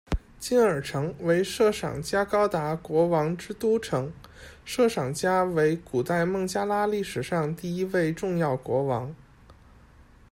金耳城，为设赏伽高达王国之都城，设赏伽为古代孟加拉历史上第一位重要国王。